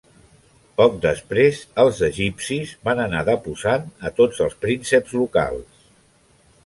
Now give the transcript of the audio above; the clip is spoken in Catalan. Poc després els egipcis van anar deposant a tots els prínceps locals.